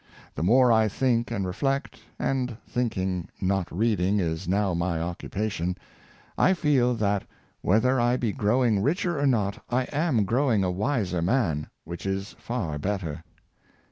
The more I think and reflect — and thinking, not reading, is now my occu pation— I feel that, whether I be growing richer or not, I am growing a wiser man, which is far better.